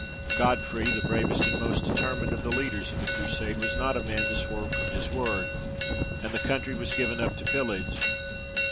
Godfrey, the bravest and most determined of the leaders of the Crusade, was not a man to swerve from his word, and the country was given up to pillage.